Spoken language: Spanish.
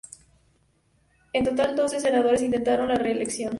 En total doce senadores intentaron la reelección.